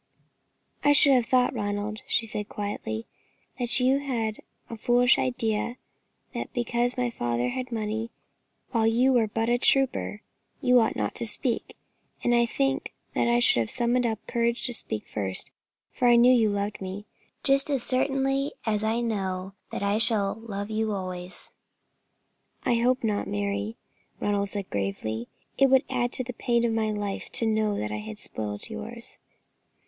"I should have thought, Ronald," she said, quietly, "that you had a foolish idea that because my father had money, while you were but a trooper, you ought not to speak; and I think that I should have summoned up courage to speak first, for I knew you loved me, just as certainly as I know that I shall love you always." "I hope not, Mary," Ronald said, gravely; "it would add to the pain of my life to know that I had spoilt yours."